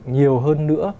nhiều hơn nữa